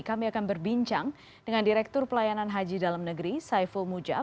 kami akan berbincang dengan direktur pelayanan haji dalam negeri saiful mujab